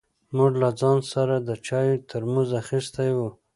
موږ له ځان سره د چای ترموز اخيستی و.